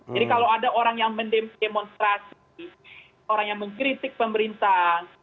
jadi kalau ada orang yang mendemonstrasi orang yang mengkritik pemerintah